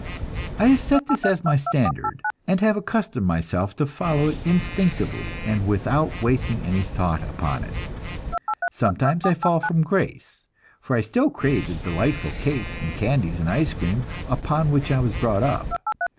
I have set this as my standard, and have accustomed myself to follow it instinctively, and without wasting any thought upon it. Sometimes I fall from grace; for I still crave the delightful cakes and candies and ice cream upon which I was brought up.